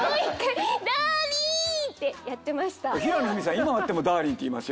今会っても「ダーリン」って言いますよ。